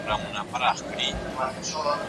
آیا ستا کمپیوټر سم کار کوي؟